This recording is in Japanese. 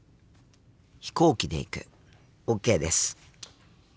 飛行機で行く。ＯＫです。